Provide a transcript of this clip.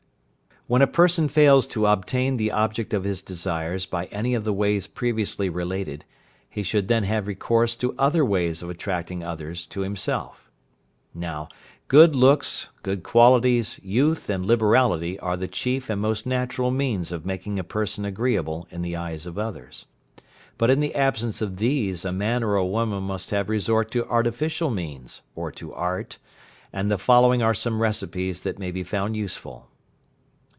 When a person fails to obtain the object of his desires by any of the ways previously related, he should then have recourse to other ways of attracting others to himself. Now, good looks, good qualities, youth, and liberality are the chief and most natural means of making a person agreeable in the eyes of others. But in the absence of these a man or a woman must have resort to artificial means, or to art, and the following are some recipes that may be found useful.